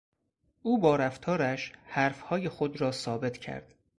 او با رفتارش حرفهای خود را ثابت کرد.